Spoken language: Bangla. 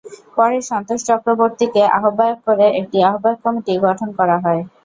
পরে সন্তোষ চক্রবর্তীকে আহ্বায়ক করে একটি আহ্বায়ক কমিটি গঠন করা হয়।